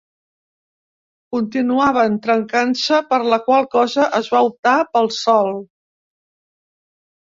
Continuaven trencant-se, per la qual cosa es va optar pel sol.